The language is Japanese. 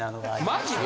マジで？